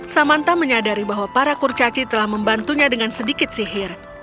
samanta menyadari bahwa para kurcaci telah membantunya dengan sedikit sihir